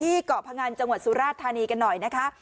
เกาะพงันจังหวัดสุราชธานีกันหน่อยนะคะ